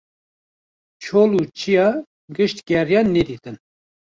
Çol û çiya gişt geriyan nedîtin.